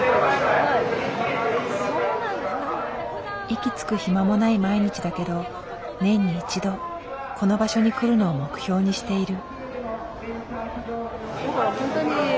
息つく暇もない毎日だけど年に１度この場所に来るのを目標にしている。